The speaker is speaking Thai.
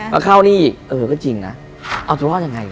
มาเข้านี่อีกเออก็จริงนะเอาตัวรอบยังไง